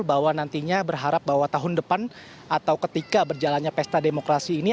bahwa nantinya berharap bahwa tahun depan atau ketika berjalannya pesta demokrasi ini